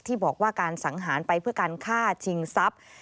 ที่บอกว่าการสังหารไปเพื่อการฆ่าชิงทรัพย์